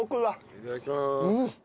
いただきます。